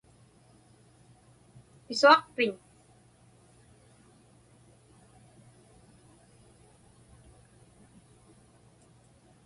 Pisuaqpiñ?